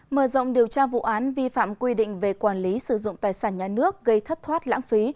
mở rộng điều tra vụ án vi phạm quy định về quản lý sử dụng tài sản nhà nước gây thất thoát lãng phí